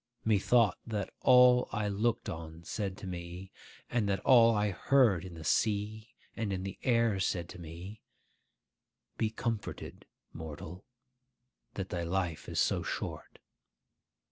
Methought that all I looked on said to me, and that all I heard in the sea and in the air said to me, 'Be comforted, mortal, that thy life is so short.